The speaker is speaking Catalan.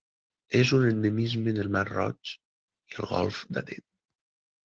És un endemisme del mar Roig i el golf d'Aden.